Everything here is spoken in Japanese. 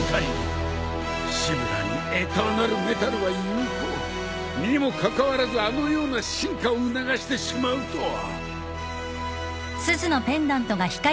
シブラーにエターナルメタルは有効。にもかかわらずあのような進化を促してしまうとは。